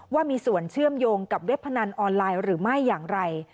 ว่ามีส่วนเชื่อมโยงกับเว็บพนันออนไลน์หรือไม่อย่างไร